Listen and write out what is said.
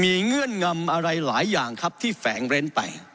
มีเงื่อนงำอะไรหลายอย่างครับที่แฝงเร้นไป